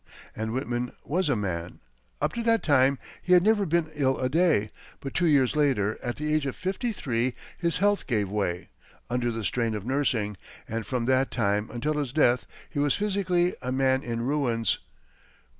And Whitman was a man. Up to that time, he had never been ill a day; but two years later, at the age of fifty three, his health gave way, under the strain of nursing, and from that time until his death he was, physically, "a man in ruins."